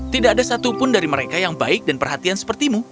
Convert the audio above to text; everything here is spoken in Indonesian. tidak ada satupun dari mereka yang baik dan perhatian sepertimu